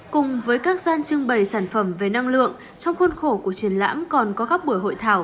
cùng với các gian trưng bày sản phẩm về năng lượng trong khuôn khổ của triển lãm còn có các buổi hội thảo